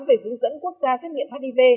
về hướng dẫn quốc gia xét nghiệm hiv